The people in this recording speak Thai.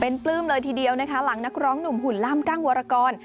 เป็นปลื้มเลยทีเดียวนะคะหลังนักร้องหนุ่มหุ่นล่ำกั้งวรกร